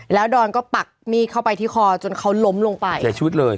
แล้วดอนก็ปักมีดเข้าไปที่คอจนเขาล้มลงไปเสียชีวิตเลย